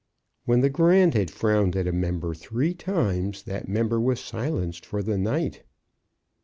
When the Grand had frowned at a member three times, that member was silenced for the night.